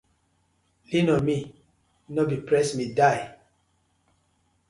Lean on me, no be press me die: